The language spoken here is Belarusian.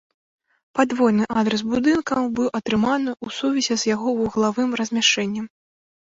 Падвойны адрас будынкам быў атрыманы ў сувязі з яго вуглавым размяшчэннем.